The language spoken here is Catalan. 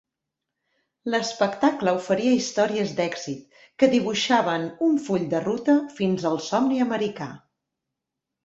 L'espectacle oferia històries d'èxit que dibuixaven un full de ruta fins al somni americà.